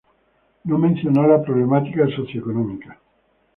No mencionó la problemática socioeconómica.